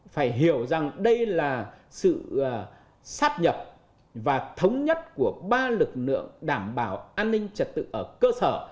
phải hiểu rằng đây là sự sát nhập và thống nhất của ba lực lượng đảm bảo an ninh trật tự ở cơ sở